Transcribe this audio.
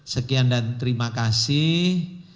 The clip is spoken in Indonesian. sekian dan terima kasih